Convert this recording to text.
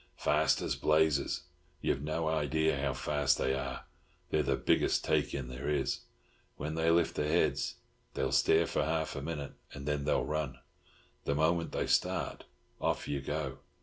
"Fast as blazes. You've no idea how fast they are. They're the biggest take in there is. When they lift their heads they'll stare for half a minute, and then they'll run. The moment they start, off you go.